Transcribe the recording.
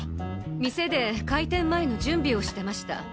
店で開店前の準備をしてました。